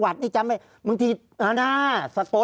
ภารกิจสรรค์ภารกิจสรรค์